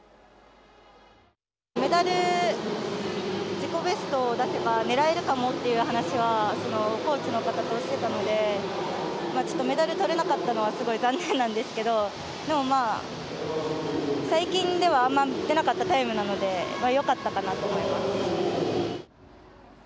メダル自己ベストを出せば狙えるかもっていう話はコーチの方としてたのでちょっとメダルとれなかったのはすごい残念なんですけどでも、まあ最近ではあまり出なかったタイムなのでよかったかなと思います。